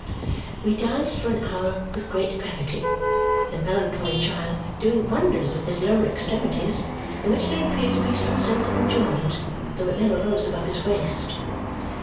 We danced for an hour with great gravity, the melancholy child doing wonders with his lower extremities, in which there appeared to be some sense of enjoyment though it never rose above his waist.